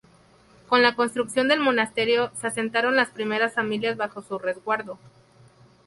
Con la construcción del monasterio, se asentaron las primeras familias bajo su resguardo.